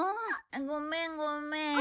ごめんごめん。